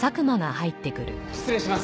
失礼します。